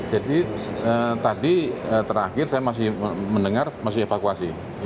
jadi tadi terakhir saya masih mendengar masih evakuasi